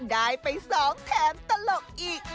ได้ไป๒แถมตลกอีก